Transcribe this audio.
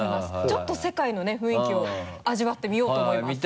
ちょっと世界のね雰囲気を味わってみようと思います。